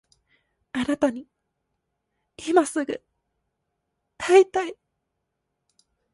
あなたに今すぐ会いたい